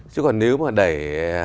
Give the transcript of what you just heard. chứ còn nếu mà đầy